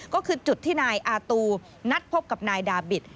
ก็คือจุดที่นายอาตูนัดพบกับนายดาบิต